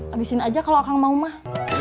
habisin aja kalau akan mau mah